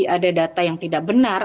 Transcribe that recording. ada data yang tidak benar